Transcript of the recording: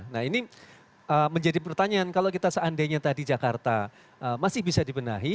nah ini menjadi pertanyaan kalau kita seandainya tadi jakarta masih bisa dibenahi